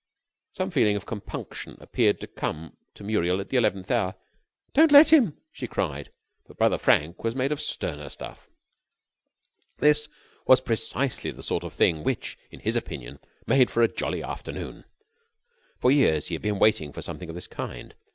Some feeling of compunction appeared to come to Muriel at the eleventh hour. "Don't let him," she cried. But Brother Frank was made of sterner stuff. This was precisely the sort of thing which, in his opinion, made for a jolly afternoon. For years he had been waiting for something of this kind.